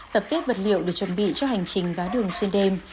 tập kết vật liệu để chuẩn bị cho hành trình vá đường xuyên đêm